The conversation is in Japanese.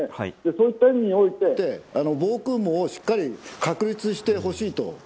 そういった意味において防空網をしっかり確立してほしいと。